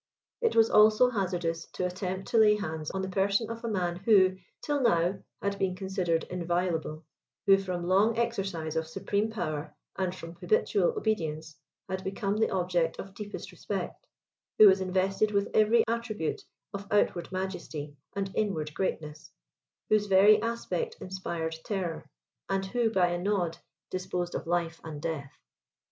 It was also hazardous to attempt to lay hands on the person of a man who, till now, had been considered inviolable; who from long exercise of supreme power, and from habitual obedience, had become the object of deepest respect; who was invested with every attribute of outward majesty and inward greatness; whose very aspect inspired terror, and who by a nod disposed of life and death!